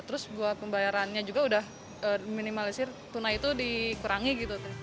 terus buat pembayarannya juga udah minimalisir tunai itu dikurangi gitu